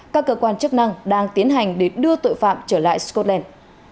các cơ quan chức năng đang tiến hành để đưa tội phạm trở lại scotland